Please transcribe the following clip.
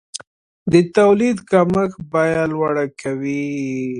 د تولید کمښت بیه لوړه کوي.